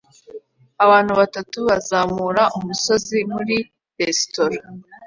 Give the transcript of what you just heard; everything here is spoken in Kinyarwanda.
Abantu batatu bazamura umusozi muriya resitora